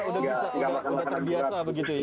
udah terbiasa begitu ya